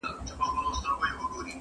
• د جهاني غوندي د ورځي په رڼا درځمه -